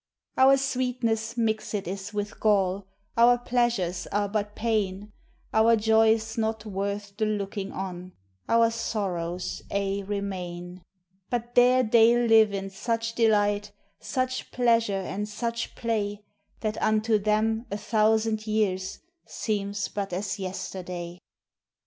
Our sweetness mixèd is with gall, Our pleasures are but pain, Our joys not worth the looking on Our sorrows aye remain. But there they live in such delight, Such pleasure and such play, That unto them a thousand years Seems but as yesterday.